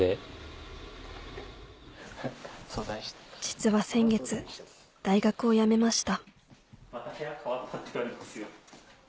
実は先月大学を辞めました